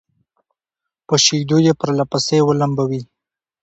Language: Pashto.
په شيدو يې پرله پسې ولمبوي